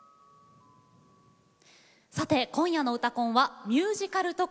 さて今夜の「うたコン」はミュージカル特集です。